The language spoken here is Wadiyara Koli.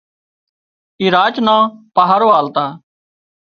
اي راچ نان پاهرو آلتا